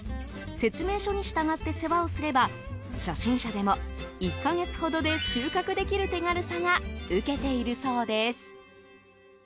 説明書に従って世話をすれば初心者でも１か月ほどで収穫できる手軽さが受けているそうです。